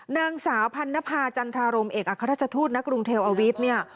นางสาวพันธ์นภาจันทรรมเอกอัคระชาทูตณกรุงเทลอวิทย์